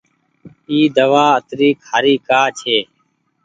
اي دوآ اتري کآري ڪآ ڇي۔